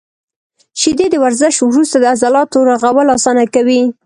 • شیدې د ورزش وروسته د عضلاتو رغول اسانه کوي.